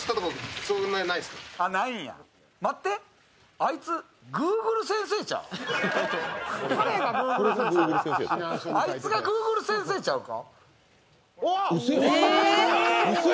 あいつがグーグル先生ちゃうか？